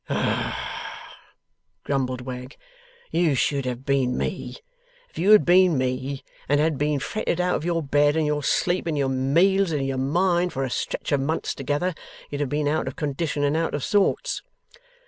'Ah!' grumbled Wegg, 'you should have been me. If you had been me, and had been fretted out of your bed, and your sleep, and your meals, and your mind, for a stretch of months together, you'd have been out of condition and out of sorts.